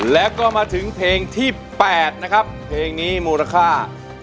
แล้วก็มาถึงเพลงที่๘นะครับเพลงนี้มูลค่า